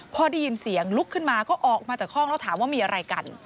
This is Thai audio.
พอได้ยินเสียงลุกขึ้นมาก็ออกมาจากห้องแล้วถามว่ามีอะไรกัน